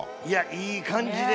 いい感じで。